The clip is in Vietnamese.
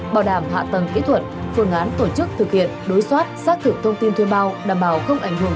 bảo đảm hạ tầng kỹ thuật phương án tổ chức thực hiện đối soát xác thực thông tin thuê bao đảm bảo không ảnh hưởng